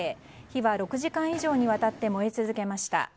火は６時間以上にわたって燃え続けました。